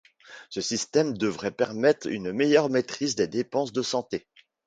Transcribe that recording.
Ce système devrait permettre une meilleure maîtrise des dépenses de santé.